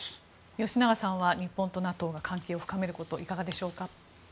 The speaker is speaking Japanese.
吉永さんは日本とＮＡＴＯが関係を深めることいかがでしょうか。